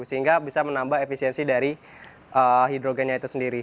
sehingga bisa menambah efisiensi dari air